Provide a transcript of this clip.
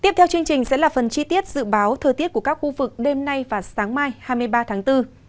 tiếp theo chương trình sẽ là phần chi tiết dự báo thời tiết của các khu vực đêm nay và sáng mai hai mươi ba tháng bốn